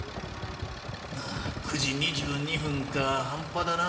９時２２分か半端だな。